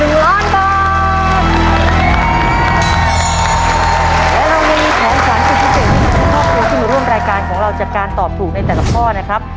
และเรามี๖สารที่พิเศษที่คุณทดพพิภพึงร่วมรายการของเราจากการตอบถูกในแต่ละข้อนะครับ